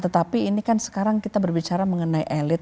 tetapi ini kan sekarang kita berbicara mengenai elit